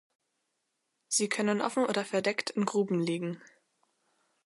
Sie können offen oder verdeckt in Gruben liegen.